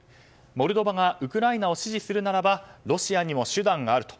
モルドバがウクライナを支持するならばロシアにも手段があると。